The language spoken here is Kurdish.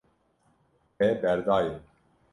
Te berdaye.